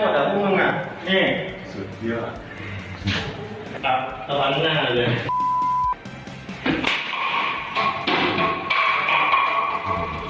คุณได้หมดหรอพวกมึงน่ะนี่ซุดเยอะตะบัดหน้าเลย